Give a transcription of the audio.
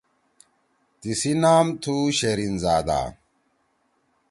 تیِسی نام تُھو شرین زادا